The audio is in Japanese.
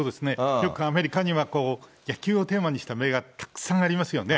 よくアメリカには野球をテーマにした絵がたくさんありますよね。